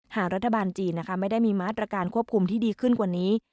หากรัฐบาลจีนนะคะไม่ได้มีมาตรการควบคุมที่ดีขึ้นกว่านี้